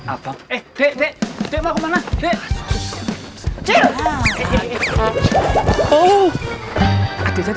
apa eh kemana